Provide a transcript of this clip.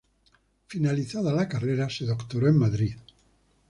Finalizada la carrera, se doctoró en Madrid.